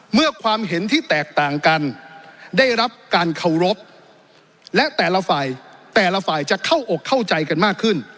เมื่อความเห็นที่แตกต่างกันได้รับการเคารพและแต่ละฝ่ายแต่ละฝ่ายจะเข้าอกเข้าใจกันมากขึ้น